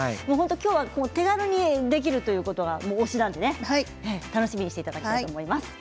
今日、手軽にできるということで楽しみにしていただきたいと思います。